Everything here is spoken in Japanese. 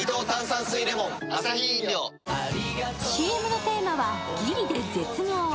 ＣＭのテーマはギリで絶妙。